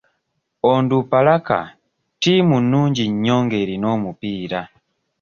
Onduparaka ttiimu nnungi nnyo nga erina omupiira.